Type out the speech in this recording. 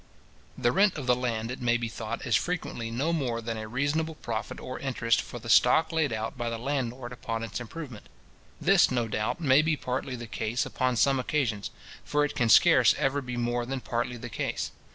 The rent of land, it may be thought, is frequently no more than a reasonable profit or interest for the stock laid out by the landlord upon its improvement. This, no doubt, may be partly the case upon some occasions; for it can scarce ever be more than partly the case.